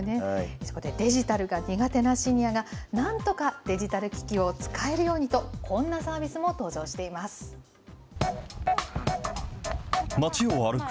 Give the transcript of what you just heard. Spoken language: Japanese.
そこでデジタルが苦手なシニアがなんとかデジタル機器を使えるようにと、こんなサービスも登場し街を歩く